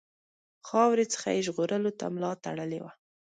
خاورې څخه یې ژغورلو ته ملا تړلې وه.